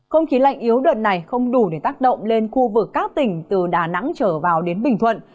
không khí lạnh yếu đợt này không đủ để tác động lên khu vực các tỉnh từ đà nẵng trở vào đến bình thuận